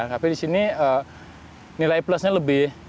tapi di sini nilai plusnya lebih